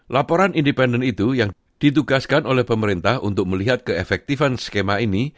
laporan independen itu yang ditugaskan oleh pemerintah untuk melihat keefektifan skema ini